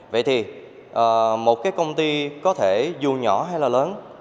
vậy thì một cái công ty có thể dù nhỏ hay là lớn